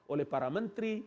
oleh para menteri